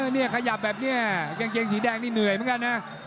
เนี่ยขยับแบบนี้แกงสีแดงขวานี้เหนื่อยไม่ก็นะ